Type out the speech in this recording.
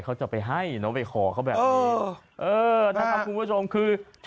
เสร็จแล้วหนูก็กลัวเพราะหนูก็มีกระเป๋า